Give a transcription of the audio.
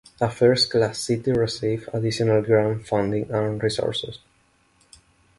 A first class city receives additional grant funding and resources.